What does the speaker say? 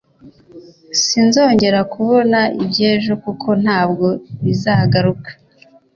sinzongera kubona iby' ejo kuko ntabwo bizagaruka